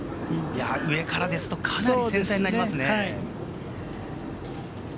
上からですと、かなり繊細になりますね。